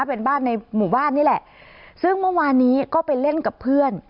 เป็นบ้านในหมู่บ้านนี่แหละซึ่งเมื่อวานนี้ก็ไปเล่นกับเพื่อน